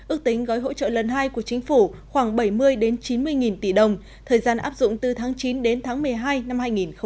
ước tính gói hỗ trợ lần hai của chính phủ khoảng bảy mươi chín mươi nghìn tỷ đồng thời gian áp dụng từ tháng chín đến tháng một mươi hai năm hai nghìn hai mươi